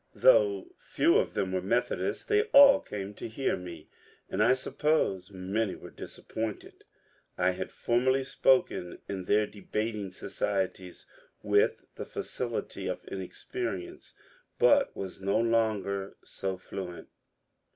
Though few of them were Methodists, they all came to hear me, and I suppose many were disappointed. I had formerly spoken in their debating societies with the facil ity of inexperience, but was no longer so fluent.